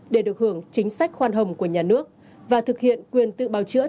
để được hưởng chính sách khoan hồng của nhà nước và thực hiện quyền tự bào chữa